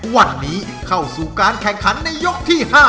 วันนี้เข้าสู่การแข่งขันในยกที่๕